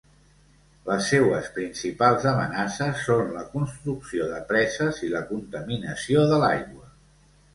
Les seues principals amenaces són la construcció de preses i la contaminació de l'aigua.